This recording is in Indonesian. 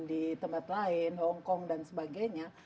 di tempat lain hongkong dan sebagainya